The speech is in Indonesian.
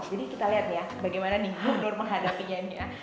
jadi kita lihat nih ya bagaimana nih nur menghadapinya nih ya